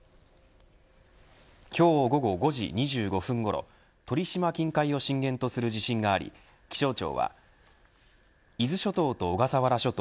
今日午前５時２５分ごろ鳥島近海を震源とする地震があり気象庁は伊豆諸島と小笠原諸島